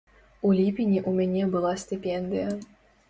У ліпені ў мяне была стыпендыя.